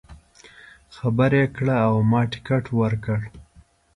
خبر یې کړ او ما ټکټ ورکړ.